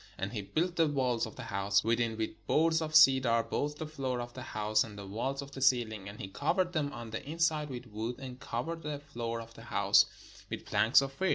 And he built the walls of the house within with boards of cedar, both the floor of the house, and the walls of the ceiKng : and he covered them on the inside with wood, and cov ered the floor of the house with planks of flr.